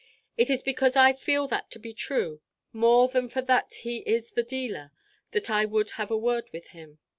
It is because I feel that to be true, more than for that he is the Dealer, that I would have a word with him.